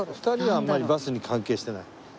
２人はあんまりバスに関係してない。